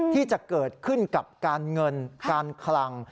ที่จะเกิดขึ้นกับการเงินการคลัง